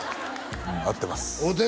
はい合ってます